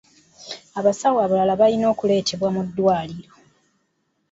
Abasawo abalala balina okuleetebwa mu ddwaliro.